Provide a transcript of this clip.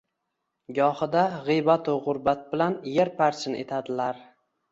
Gohida g‘iybatu-g‘urbat bilan yerparchin etadilar